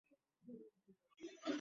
ওটা সেবাস্টিয়ানই ছিল?